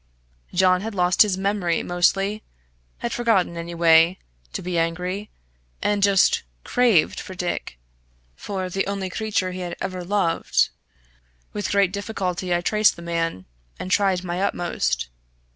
John had lost his memory mostly had forgotten, anyway, to be angry and just craved for Dick, for the only creature he had ever loved. With great difficulty I traced the man, and tried my utmost.